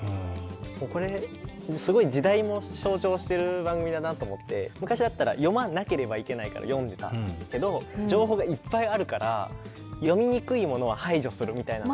これすごい時代も象徴してる番組だなと思って昔だったら読まなければいけないから読んでたけど情報がいっぱいあるから読みにくいものは排除するみたいな。